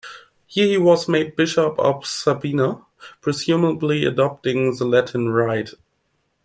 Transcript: Here he was made Bishop of Sabina, presumably adopting the Latin Rite.